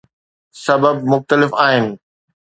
سبب مختلف آهن.